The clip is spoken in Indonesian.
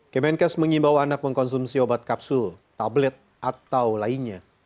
kemenkes mengimbau anak mengkonsumsi obat kapsul tablet atau lainnya